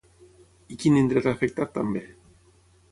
I quin indret ha afectat també?